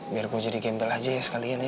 biar gue jadi gembel aja ya sekalian ya